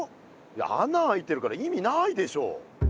あな開いてるから意味ないでしょ。